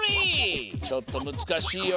ちょっとむずかしいよ。